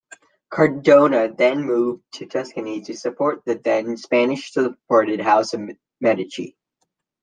Cardona then moved to Tuscany to support the then Spanish-supported House of Medici.